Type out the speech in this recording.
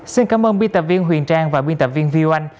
xin cảm ơn biên tập viên huyền trang và biên tập viên vi anh